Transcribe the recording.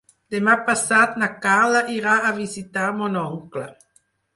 Demà passat na Carla irà a visitar mon oncle.